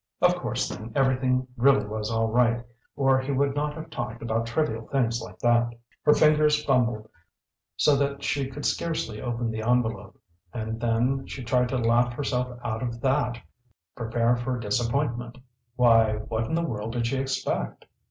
Of course then everything really was all right, or he would not have talked about trivial things like that. Her fingers fumbled so that she could scarcely open the envelope. And then she tried to laugh herself out of that, prepare for disappointment. Why, what in the world did she expect?